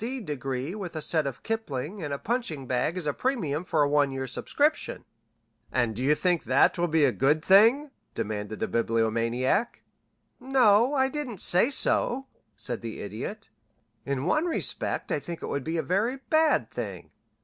D. degree with a set of Kipling and a punching bag as a premium for a one year's subscription." "And you think that will be a good thing?" demanded the Bibliomaniac. "No, I didn't say so," said the Idiot. "In one respect I think it would be a very bad thing.